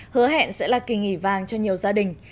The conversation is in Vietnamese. hứa hẹn sẽ là kỳ nghỉ vàng cho nhiều gia đình